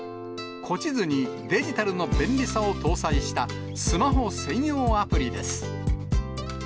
古地図にデジタルの便利さを搭載した、スマホ専用アプリです。